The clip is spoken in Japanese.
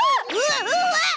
うわっ！